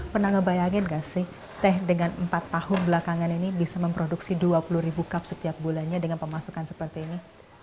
pernah ngebayangin gak sih teh dengan empat tahun belakangan ini bisa memproduksi dua puluh ribu cup setiap bulannya dengan pemasukan seperti ini